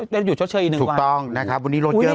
ได้หยุดชดเชื้ออีกหนึ่งวัน